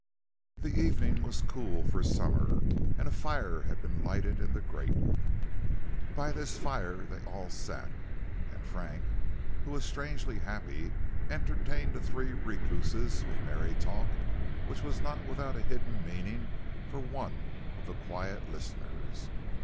The evening was cool for summer, and a fire had been lighted in the grate. By this fire they all sat and Frank, who was strangely happy, entertained the three recluses with merry talk which was not without a hidden meaning for one of the quiet listeners.